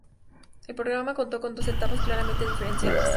El programa contó con dos etapas claramente diferenciadas.